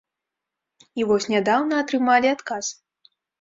І вось нядаўна атрымалі адказ.